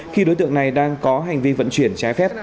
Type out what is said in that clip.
khi đối tượng này đang có hành vi vận chuyển trái phép